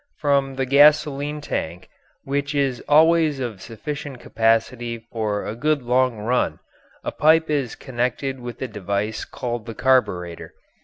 From the gasoline tank, which is always of sufficient capacity for a good long run, a pipe is connected with a device called the carbureter.